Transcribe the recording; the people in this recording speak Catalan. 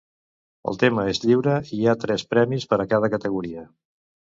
El tema és lliure i hi ha tres premis per a cada categoria.